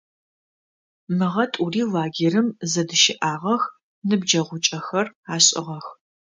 Мыгъэ тӏури лагерым зэдыщыӏагъэх, ныбджэгъукӏэхэр ашӏыгъэх.